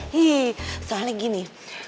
hih soalnya gini